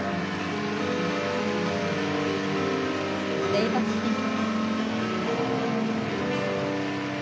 レイバックスピン。